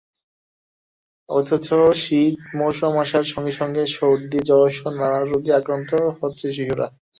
অথচ শীত মৌসুম আসার সঙ্গে সঙ্গে সর্দি-জ্বরসহ নানা রোগে আক্রান্ত হচ্ছে শিশুরা।